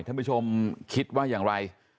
ท่านผู้ชมคิดว่าอย่างไร